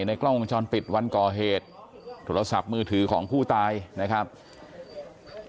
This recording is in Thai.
หรือเขาก็แค่บอกว่าไม่ต้องถามมากหนูก็เลยไม่ถามต่อ